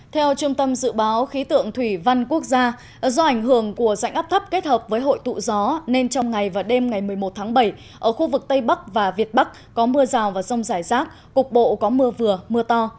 theo trung tâm dự báo khí tượng thủy văn quốc gia do ảnh hưởng của dạnh áp thấp kết hợp với hội tụ gió nên trong ngày và đêm ngày một mươi một tháng bảy ở khu vực tây bắc và việt bắc có mưa rào và rông rải rác cục bộ có mưa vừa mưa to